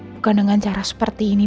bukan dengan cara seperti ini